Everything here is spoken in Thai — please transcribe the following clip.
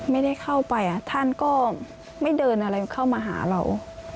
ไม่ได้เข้าไปท่านก็ไม่เดินอะไรเข้ามาหาเรา